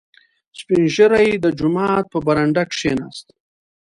• سپین ږیری د جومات په برنډه کښېناست.